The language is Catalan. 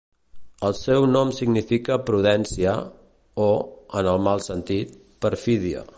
El seu nom significa 'prudència', o, en el mal sentit, 'perfídia'.